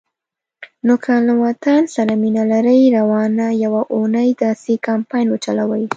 نو که له وطن سره مینه لرئ، روانه یوه اونۍ داسی کمپاین وچلوئ